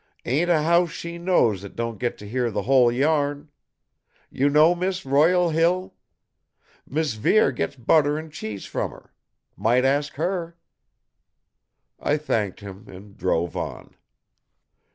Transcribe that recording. Ain't a house she knows that don't get to hear the whole yarn! You know Mis' Royal Hill? Mis' Vere gets butter and cheese from her. Might ask her!" I thanked him and drove on.